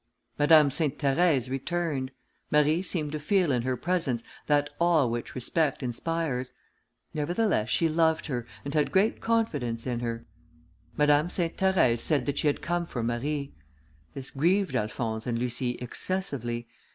Madame Sainte Therèse returned. Marie seemed to feel in her presence that awe which respect inspires; nevertheless, she loved her, and had great confidence in her. Madame Sainte Therèse said that she had come for Marie. This grieved Alphonse and Lucie excessively.